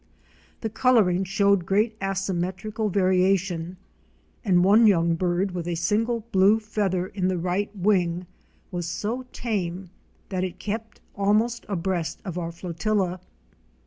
The coloring showed great asymmetrical varia tion, and one young bird with a single blue feather in the right wing was so tame that it kept almost abreast of our flotilla.